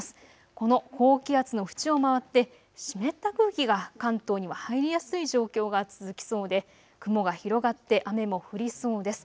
この高気圧の縁を回って湿った空気が関東には入りやすい状況が続きそうで雲が広がって雨も降りそうです。